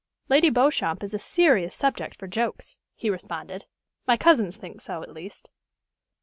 "Lady Beauchamp is a serious subject for jokes," he responded. "My cousins think so, at least."